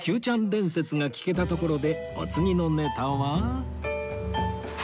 伝説が聞けたところでお次のネタは